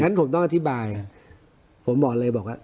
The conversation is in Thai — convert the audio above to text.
ฉกต้องอธิบายผมบอกเลยบอกว่า